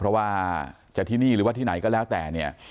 เพราะว่าจะที่นี่หรือว่าที่ไหนก็แล้วแต่เนี่ย